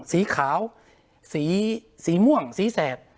สีขาวสีม่วงสีแสด